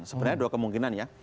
sebenarnya dua kemungkinan ya